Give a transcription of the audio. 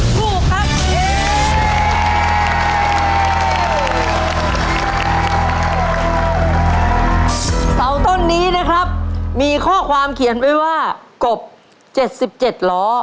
สองต้นนี้นะครับมีข้อความเขียนไว้ว่ากบเกียจสิบเกียจล้อ